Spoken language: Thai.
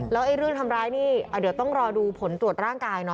แล้วเรื่องทำร้ายนี่เดี๋ยวต้องรอดูผลตรวจร่างกายเนอ